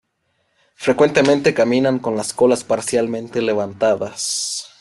Frecuentemente caminan con las colas parcialmente levantadas.